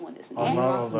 ありますね。